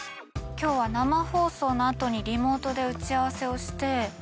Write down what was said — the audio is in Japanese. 今日は生放送の後にリモートで打ち合わせをして。